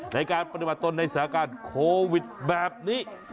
ในการปฏิบัติตนในสถานการณ์โควิดแบบนี้